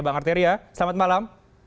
bang arteria selamat malam